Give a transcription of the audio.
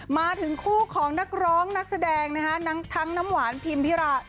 มาถึงคู่ของนักร้องนักแสดงนะคะทั้งน้ำหวานพิมพิรา